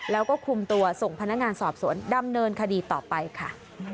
แล้วก็คุมตัวส่งพนักงานสอบสวนดำเนินคดีต่อไปค่ะ